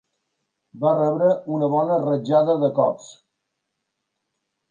Va rebre una bona rajada de cops.